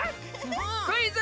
「クイズ！